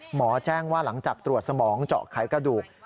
หมอแจ้งว่าหลังจากตรวจสมองเจาะไขกระดูก